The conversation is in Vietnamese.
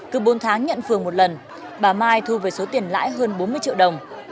cứ bốn tháng nhận phường một lần bà mai thu về số tiền lãi hơn bốn mươi triệu đồng